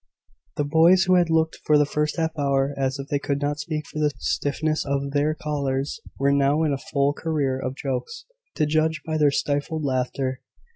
The boys, who had looked for the first half hour as if they could not speak for the stiffness of their collars, were now in a full career of jokes, to judge by their stifled laughter.